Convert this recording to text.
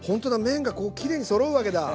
麺がきれいにそろうわけだ。